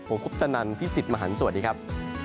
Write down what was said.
ผมคุปตนันพี่สิทธิ์มหันฯสวัสดีครับ